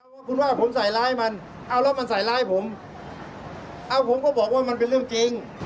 ถ้าใจมีฐานนันชัยก็ยังไง